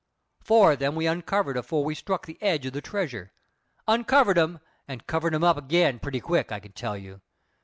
Four of them we uncovered afore we struck the edge of the treasure uncovered 'em and covered 'em up again pretty quick, I can tell you.